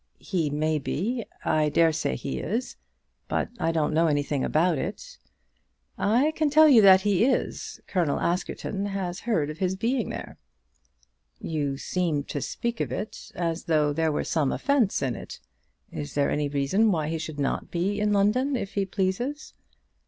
"He may be. I dare say he is. But I don't know anything about it." "I can tell you then that he is. Colonel Askerton has heard of his being there." "You seem to speak of it as though there were some offence in it. Is there any reason why he should not be in London if he pleases?"